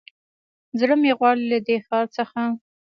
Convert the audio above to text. زړه مې غواړي له دې ښار څخه